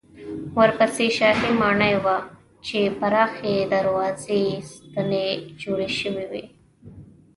ورپسې شاهي ماڼۍ وه چې پراخې دروازې یې ستنې جوړې شوې وې.